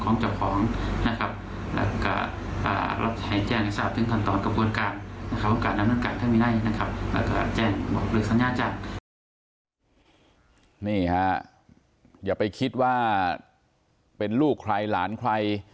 นี่ฮะอย่าไปคิดว่าเป็นลูกใครหลานใคร